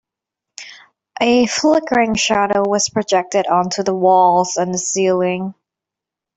A flickering shadow was projected onto the walls and the ceiling.